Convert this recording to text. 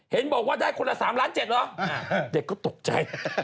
เห็นบอกว่าได้คนละ๓ล้าน๗เหรอเด็กก็ตกใจ